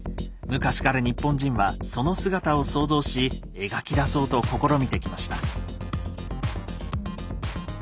昔から日本人はその姿を想像し描き出そうと試みてきました。